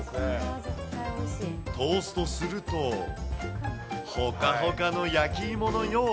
トーストすると、ほかほかの焼き芋のよう。